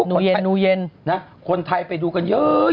พี่เราหลุดมาไกลแล้วฝรั่งเศส